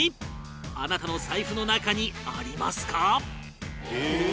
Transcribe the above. あなたの財布の中にありますか？